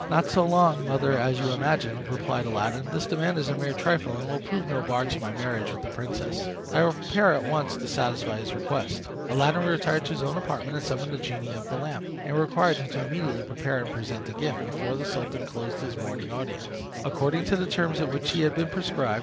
"Not so long, mother, as you imagine," replied Aladdin. "This demand is a mere trifle, and will prove no bar to my marriage with the princess. I will prepare at once to satisfy his request." Aladdin retired to his own apartment and summoned the genie of the lamp, and required him to immediately prepare and present the gift, before the sultan closed his morning audience, according to the terms in which it had been prescribed.